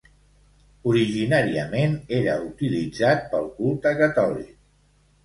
Originàriament era utilitzat pel culte catòlic.